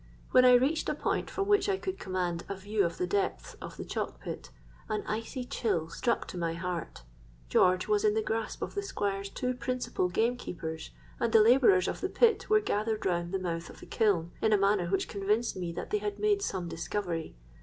When I reached a point from which I could command a view of the depths of the chalk pit, an icy chill struck to my heart. George was in the grasp of the Squire's two principal gamekeepers; and the labourers of the pit were gathered round the mouth of the kiln, in a manner which convinced me that they had made some discovery.